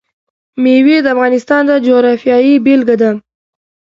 مېوې د افغانستان د جغرافیې بېلګه ده.